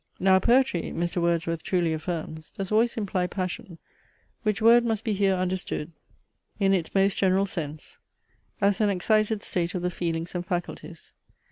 Now poetry, Mr. Wordsworth truly affirms, does always imply passion: which word must be here understood in its most general sense, as an excited state of the feelings and faculties.